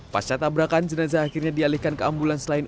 pasca tabrakan jenazah akhirnya dialihkan ke ambulans lain